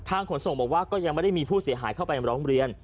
ขนส่งบอกว่าก็ยังไม่ได้มีผู้เสียหายเข้าไปร้องเรียน